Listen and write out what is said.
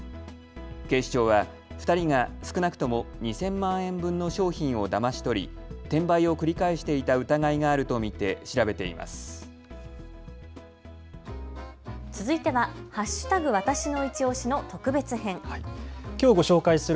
警視庁は２人が少なくとも２０００万円分の商品をだまし取り、転売を繰り返していた疑いがあると見て調べています。